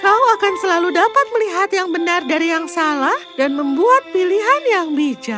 kau akan selalu dapat melihat yang benar dari yang salah dan membuat pilihan yang bijak